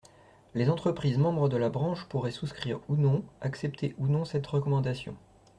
Les entreprises membres de la branche pourraient souscrire ou non, accepter ou non cette recommandation.